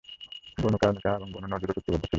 বনু Qaynuqa এবং Banu নযীরও চুক্তিবদ্ধ ছিল।